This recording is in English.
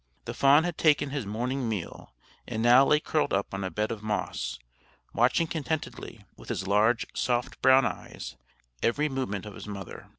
The fawn had taken his morning meal, and now lay curled up on a bed of moss, watching contentedly, with his large, soft brown eyes, every movement of his mother.